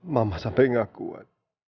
mama sampai ngaku aduh